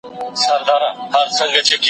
کتابتوني کار د مور له خوا ترسره کيږي.